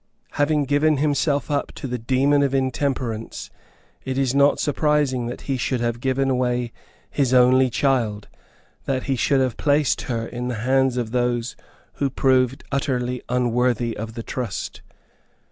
Having given himself up to the demon of intemperance, it is not surprising that he should have given away his only child; that he should have placed her in the hands of those who proved utterly unworthy of the trust.